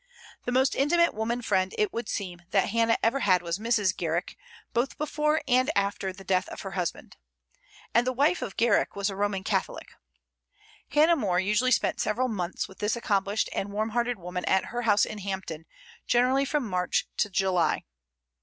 The most intimate woman friend, it would seem, that Hannah ever had was Mrs. Garrick, both before and after the death of her husband; and the wife of Garrick was a Roman Catholic. Hannah More usually spent several months with this accomplished and warm hearted woman at her house in Hampton, generally from March to July.